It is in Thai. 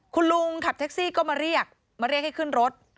คุณลุงขับแท็กซี่ก็มาเรียกมาเรียกให้ขึ้นรถ